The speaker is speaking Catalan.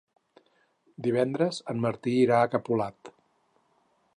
Divendres en Martí irà a Capolat.